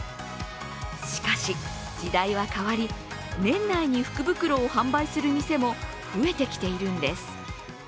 しかし、時代は変わり年内に福袋を販売する店も増えてきているんです。